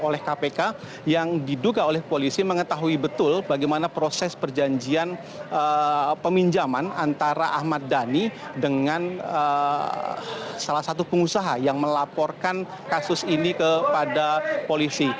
oleh kpk yang diduga oleh polisi mengetahui betul bagaimana proses perjanjian peminjaman antara ahmad dhani dengan salah satu pengusaha yang melaporkan kasus ini kepada polisi